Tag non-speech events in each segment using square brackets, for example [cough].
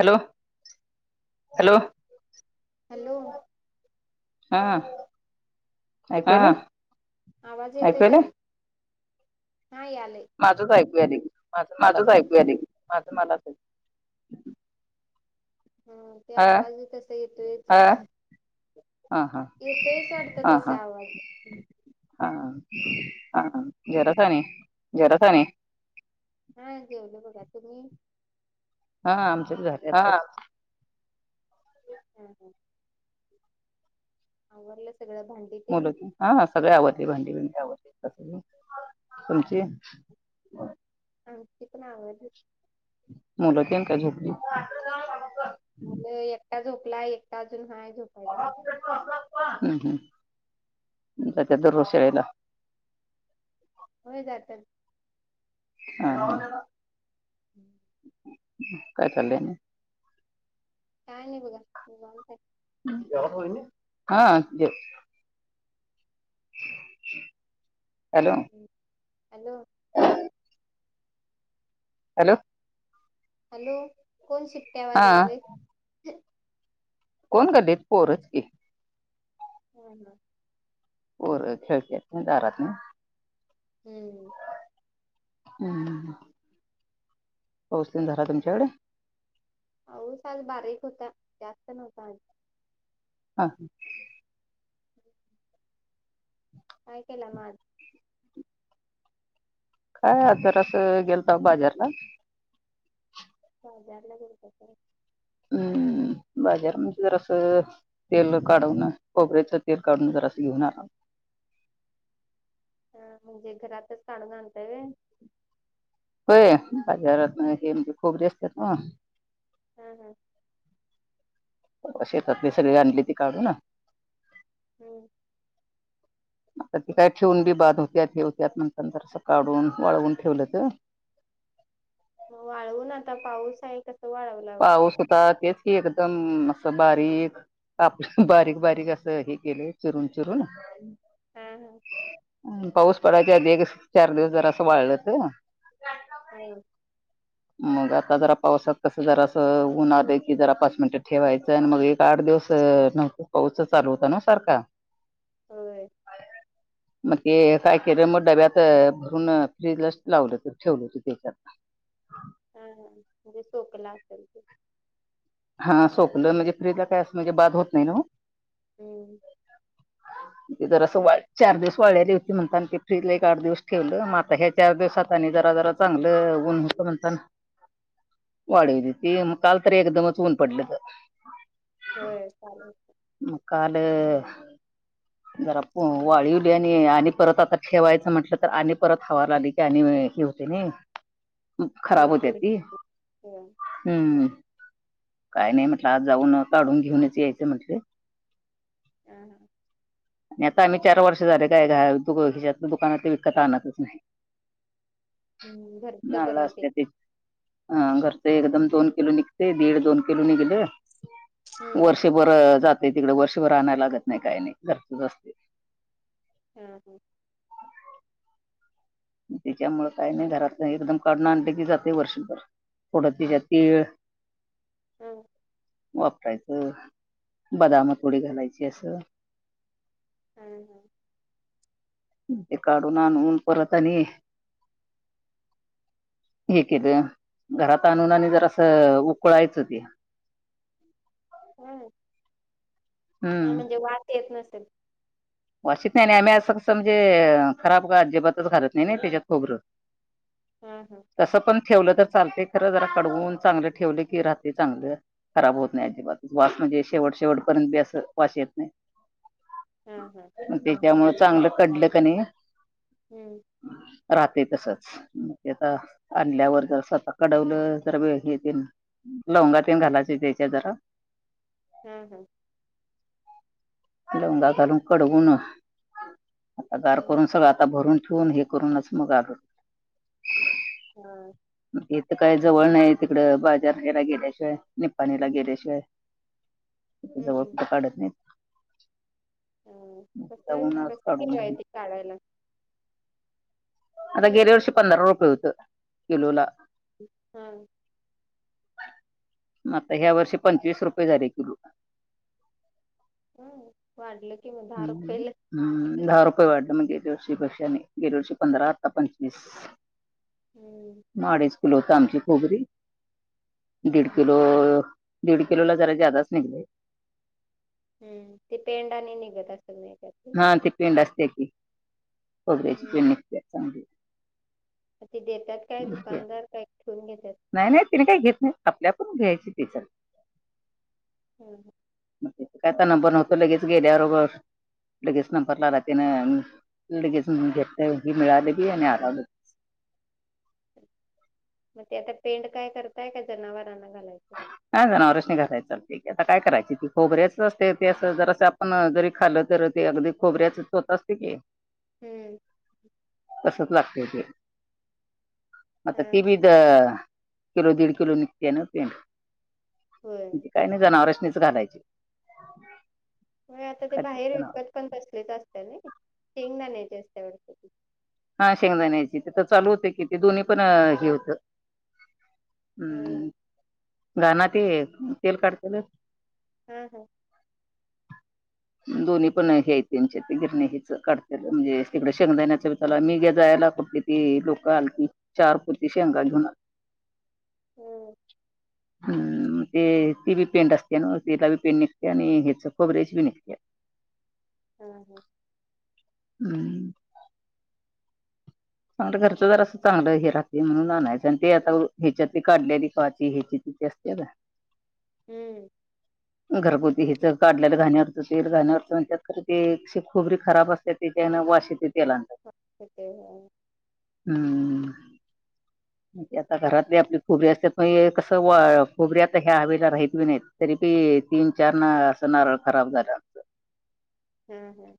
Hello, hello, hello. हा [unintelligible] ऐकू आलं? आवाज येतो ना? हां, याले. माझंच ऐकू आली. माझंच ऐकू आली. माझं मलाच हे. हां ते हा आवाज तसा येतोयच. हा हा येतयच वाढतं तुमचा आवाज. हां हां, जेवला का? हं, बघ जेवलो बग आता मी. हाहा आमची पण झाली आत्ताच. हम्म ह आवरला सगळं भांडी, मुलं, हा सगळे आवरली भांडी भिंडी आवरली तुमची आमची पण आवारली. मुलं तेन का झोपली? मुलं, एकटा झोपलाय एकटा अजून हाय झोपायचा. हम्म हम्म जात्यात दररोज शाळेला? होय जातात. हा. हा [inaudible] काय चाललंय आणि? काय नाही बघा निवांत हाय. हा. हॅलो. हॅलो. हॅलो. हॅलो कोण शिट्ट्या हा वाजवालय? कोण गल्लीत पोरच की. हा हा. पोर खेळत्यात नाही दारात न हम्म हम. हम्म. पाऊस ते न झाला तुमच्याकड? पाऊस आज बारीक होता जास्त नव्हता आज. हा. [inaudible] [inaudible] काय केला म आज? काय आज जरासं गेलताव बाजारला. बाजाराला गेलतसा. हम्म्म हम्म बाजार म्हणहे जरासं तेल काढून खोबऱ्याच तेल काढून जरास घेऊन आलव. हा म्हणजे घरातच काढून आणताय होय? होय बाजारातन हे म्हणजे जरासं खोबरीे असत्यात नव्ह. हा हा. परवा शेतातली सगळी आणली ती काढून हम्म आता ती काय ठेवून बी बाध होत्यात हे वत्यात म्हणताना जरासं काढून वाळवून ठेवलं त. मग वाळवून आता पाऊस आहे कसं वाळ पाऊस होता तेच एकदम असं बारीक काप बारीक बारीक असं हे केलय चिरून चिरून पाऊस पडायच्या आधी एक चार दिवस जरासं वाळलं त हा. मग आता जरास पावसात कसं ऊन आलं की जरा पाच मिनिटं ठेवायचं आणि मग आठ दिवस नव्हत पाऊस चालू होता नव्ह सारखा [inaudible] मग ते काय केलं मग डब्यात भरून फ्रीजलाच लावलं ठेवलंत तेच्यात. हा हा म्हणजे सोकला असेल ते. हा सोकलं म्हणजे फ्रीजला काय असं म्हणजे बाद होत नाही न्हवं? हम्म्म्म [inaudible] जरासं वा चार दिवस वाळलेली होती म्हणताना आणि ते फ्रीज ला एक आठ दिवस ठेवलं मा आता ह्या चार दिवसात आणि जरा जरा चांगलं ऊन होतं म्हणतान वाळीवली ती म काल तर एकदमच ऊन पडलंतं होय चालेल म काल जर पो वाळीवली आणि आणि परत आता ठेवायचं म्हंटलं तर आणि परत हवा लाग ते आणि हे होते नाही खराब होते ती हम्म काय नाही म्हटलं आज जाऊन काढून घेऊनच यायचं म्हटलं. हं हं आणि आता आम्ही चार वर्ष झालं काय गा हेच्यातन दुकानातनं विकत आणतच नाही. नारळं असत्याती हा घरचं एकदम दोन किलो निघतय दीड दोन किलो निघलं वर्ष ते बरं जातय तिकडं वर्षभर आणाय लागत नाही काय नाही घरचंच असतय. हा हं त्याच्यामुळं काय नाही घरातनं एकदम काढून आणलं की जातय वर्षभर थोडं तेच्यात तीळं हं वापरायचं बदामं थोडी घालायची असं हा हा ते काढून आणून परत आणि हेे केलं घरात आणून आणि जरासं उकळायचं ते हम्म हा हम्म म्हणजे वास येत नसल. वास येत नाही आणि आम्ही असं कसं म्हणजे खराब काय अजिबातच घालत नाही नाही त्याच्यात खोबरं हा हा तसं पण ठेवलं तर चालते खरं जरा कडवून चांगलं ठेवले की राहते चांगलं खराब होत नाही अजिबात वास म्हणजे शेवट शेवटपर्यंत बी असं वास येत नाही हा हा मग त्याच्यामुळ चांगलं कडलं कणी हम्म राहतंय तसंच मं ते आता आणल्यावर जरासं आता कडवलं जरा वे हे तेन लवंगा तेन घालायचे तेच्यात जरा हा हा लवंगा घालून कडवून आता गार करून सगळं आता भरून ठेवून हे करूनच मग आलो. हा इथ काय जवळ नाही तिकडं बाजार हेला गेल्याशिवाय निपाणीला गेल्याशिवाय इथे जवळ कुठे काढत नाहीत. ह कस जाऊन आज कस काढून केल आहे घेऊन ते काढायला. आता गेल्या वर्षी पंधरा रुपये होत, किलोला. हा आता ह्या वर्षी पंचवीस रुपये झाले किलो. हम्म, वाढल कि म दहा हम्म. रुपयल. हम्म, दहा रुपये वाढल. मग गेल्या वर्षी पैक्षाने गेल्या वर्षी पंधरा. आता पंचवीस. हम्म मग अडीच किलो आमची [unintelligible] दीड किलो दीड किलोला जरा जादाच निघलेय. हम्म, ते पेंड आणि निघत असल नाही त्यात. हा ती पेंड असते ती. खोबऱ्याची पेंड निघते चांगली. ते देतात काय दुकानदार. काय ठेऊन घेत्यात. नाही नाही तिने काही घेत नाही. आपल्या आपुण घ्यायची तेच. हम्म मग काय तर नंबर नव्हत लगेच गेल्याबरोबर. लगेच नंबरला रातेन. लगेच घेत ही मिळाले बी आणि आराम मग ते आता पेंड काय करताय? का जनावरांना घालायच. नाही जणावरासणी घालाय चालतय की. आता काय करायची ती खोबऱ्याच असते ते. अस जर अस आपण जरी खाल तर ते अगदी खोबऱ्याच चोथ असते की हम्म तसच लागत ते. आता ते बी द किलो दीड कीलो निघतेय ना पेंड. काही नाही जनावरासनीच घालायची. व्हय, आता ते खात्यात बाहेर जनावर विकत पण बसलेच असतात नही. शेंगदण्याची असते वाटत ती. हा शेंगदाण्याची. तिथ चालू होते कि. ते दोन्ही पण हे होत. हम्म, घाना ते तेल काढतेल हम्म हम्म [inaudible] दोन्ही पण आहे हे त्यांच. तिथे पण हे काढत्याल म्हणजे तिकडे शेंगदाण्याच चला मीघे जायला कुठली ती लोक आलती. चार पोती शेंगा घेऊन आ हम्म हम्म, ते ती बी पेंट असते ना. ते बी पेंट निघते. आणि ह्याच शेंगदाण्याची बी निघते. ह ह हम्म चांगल घरच जरास चांगल हे राहते म्हणून आणायच. आणि ते आता ह्याच्यात काढलेली पाती ह्याची [unintelligible] हम्म घरगुती हित काढलेल घाण्यावरच तेल घाण्यावरच म्हणच्यात, ते शे खोबरी खराब असत्यात. ते त्यांन वास येते तेलांना. [unintelligible] हम्म आता घरातली आपली खोबरी असतात पण हे कस खोबरे आता ह्या हवेला राहित नाहीत तरी ते तीन, चार ना अस नारळ खराब झाल. हम्म हम्म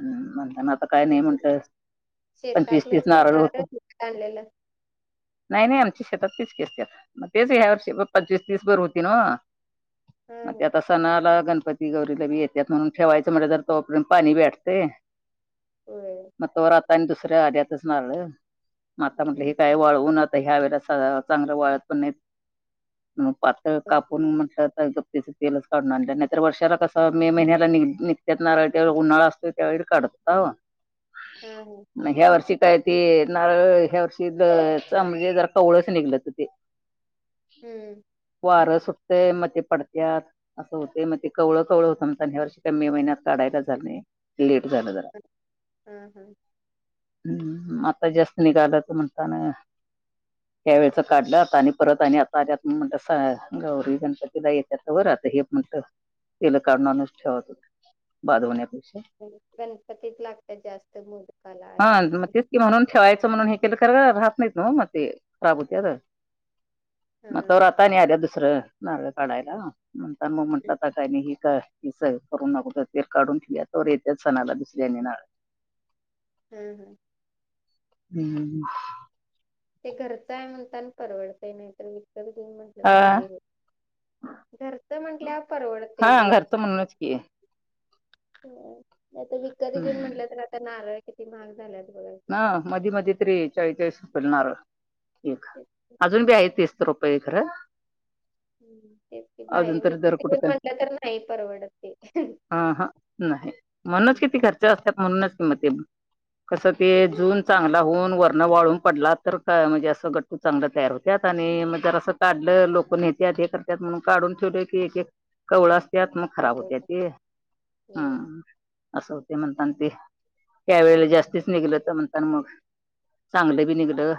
हूं म्हतांना आता काय नाही म्हंटलं पंचवीस तीस नारळ होत. [inaudible] नाही नाही आमची शेतात तिच कीसत्यां मग तेच या वर्ष पंचवीस तीस भर होती नवं. म ते आता सणाला गणपती गौरीला बी येत्यांत म्हणून ठेवायच म्हणल जर तोपर्यंत पाणी बी आट ते! होय! मग तोवरा आता आणि दुसऱ्या आड्यातच नारळ म आता म्हटलं हे काय वाळवून. आतां ह्या वेळेला साधारण चांगलं वाळत पन नाहीत मं पातळ कापून म्हटल त त्याच तेलच काढून आणल, नाहीतर वर्षाला कस मे महिन्याला नींघ-निघत्यांत नारळ त्यावेळी उन्हाळा असतो. त्यावेळी काढतांवा हूं! मं ह्या वर्षी काय ते नारळं, ह्या वर्षी त सम मंजे जरा कवळच निघलं तर ते [inaudible] हूं! वारं सुटतेय म ते पडत्यांत. असं होतय म ते कवळं कवळं होतं म्हणतां न, ह्या वर्षी काय मे महिन्यात काढायला झालं नाही, लेट झालं जरां. ह हां हां! हूं आता जास्त निघालात म्हणता ना. त्यां वेळचं काढलं आता आणि परत आणि आता आल्या त मं म्हतल सा गौरी गणपतीला येत्यात वर आता हे म्हणत. [unintelligible] गणपतीत लागत्यांत जास्त मोदकाला हा हेला मग त्याला. तेच की म्हणून ठेवायचं म्हणून हे केलं खर राहत नाहीत नवं म ते खराब होत्यात. म तो राहता आणि आल्या दुसरं नारंळ काढायला, म्हणता मग म्हटलं त. आनी ही का हिस करून अगोदर ते काढून ठेया तवर येत्याच सणाला दुसऱ्यानी नारळ. हं हं! [inaudible] ते घरचं आहे म्हणता न परवडतय नाही तर विकत घे म्हटलं अ तर नाही घरचं म्हंटल्यावर हा परवडतय ते! घरचं म्हणूनच की आता विकत घेऊन हम्म म्हंटलं तरआता नारळ किती महाग झाल्यात बघा. हा मधी, मधी तरी चाळीसं-चाळीस [unintelligible] नारळ. अजून बी आहे तीस रुपये खरं. हूं तेच की अजून बाहेरं तरी विकत दर कुठं [unintelligible] म्हनलं तर नाही परवडत ते. आ हा नाही म्हणूनच कि ती घरचे असत्यांत, म्हणूनच मं ते कसं ते जून. चांगला होऊन वरण वाळून पडला तर काय म्हणजे असं गट्टू चांगलं तयार होत्यांत, आणि म जर असं. काढलं लोक नेत्यात हे करत्यांत म्हणून काढून ठुवले होते एकएक. कवळ असत्यात मग खराब होत्या ते हं! असं होते म्हणतान ते, त्यावेेळेला जास्तीसं निघल त म्हणता न मग चांगलं बी निघलं.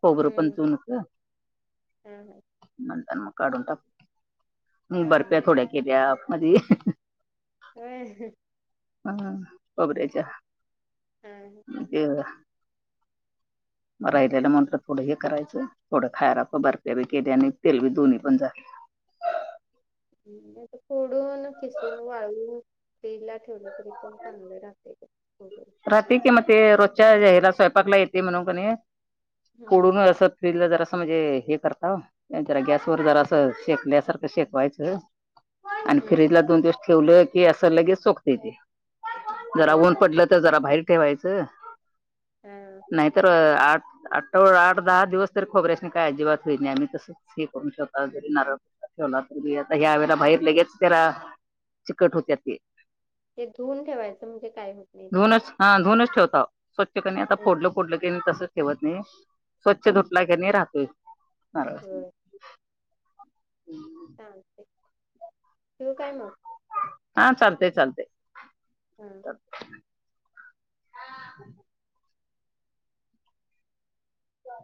खोबरं पन चुनचं. हा हा! नंतर मग काढून टाक, बर्फ्या थोड्या केल्या मधी. [inaudible] ह खोबऱ्याच्या ते. म राहिल्याला मात्र थोडं हे करायचं, थोडं खाय राकु बर्फ्या बी केल्या, आणि तेल बी दोनी पण. नाहीत फोडून कीसून वाळवून. [unintelligible] ला ठेवलं तरी पण चांगलं राहतय. हो. राहातय कि म ते रोजच्या ह्यायला स्वयंपाकला येते म्हणून कणी फोडून अस- फ्रीजला जरासं म्हणजे हे करता. जरा गॅसवर जरा असं शेकल्यासारखं शेकवायचं. आणि फ्रीज ला दोन दिवस ठेवलं की असं लगेच सोकतय ते. जरा ऊन पडलं तर जरा बाहेर ठेवायचं. नाहीतर आठ आठ - व आठ दहा दिवस तरी खोबऱ्यास्नी काय अजिबात होईत नाही. आम्ही तसंच हे करून [unintelligible] नारळ. ठेवला. [unintelligible] आता ह्या वेळेला बाहेर लगेच त्यारा चिकट होत्या ते. ते धुवून ठेवायचं म्हणजे काय हो [unintelligible] धुूनच. हां धुूउनच ठेवतो. स्वच्छ कनी आता फोडलं फोडलं [unintelligible] तसं - ठेवत नाही स्वच्छ धुतलाय का नाही राहतोय. नारळ. चालतंय. ठेवू काय म? हां. चालतय. चालतय. हा.